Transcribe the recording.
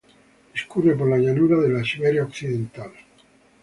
Discurre por la Llanura de Siberia Occidental.